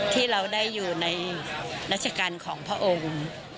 ที่เราได้อยู่ในรัชกาลของพระองค์